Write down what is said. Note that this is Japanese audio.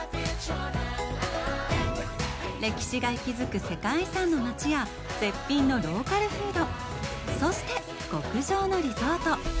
歴史が息づく世界遺産の街や絶品のローカルフード、そして、極上のリゾート。